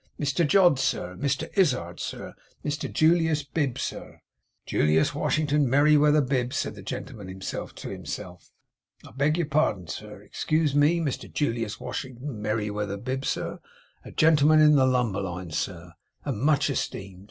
Mr Jodd, sir. Mr Izzard, sir. Mr Julius Bib, sir.' 'Julius Washington Merryweather Bib,' said the gentleman himself TO himself. 'I beg your pardon, sir. Excuse me. Mr Julius Washington Merryweather Bib, sir; a gentleman in the lumber line, sir, and much esteemed.